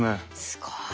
すごい。